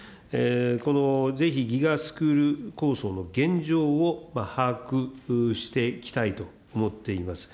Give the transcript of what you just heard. このぜひ、ＧＩＧＡスクール構想の現状を把握していきたいと思っています。